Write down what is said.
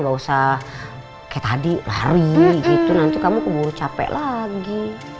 gak usah kayak tadi lari gitu nanti kamu keburu capek lagi